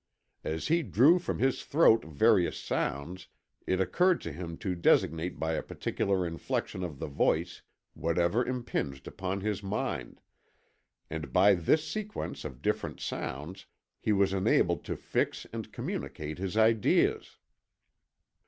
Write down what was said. As he drew from his throat various sounds, it occurred to him to designate by a particular inflexion of the voice whatever impinged upon his mind, and by this sequence of different sounds he was enabled to fix and communicate his ideas.